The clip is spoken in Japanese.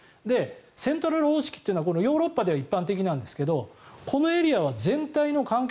セントラル方式っていうのはヨーロッパでは一般的ですがこのエリアは全体の環境